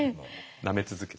なめ続けて。